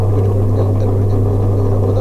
তেল ব্যবসায়ে তিনি সফলতা লাভ করেছিলেন।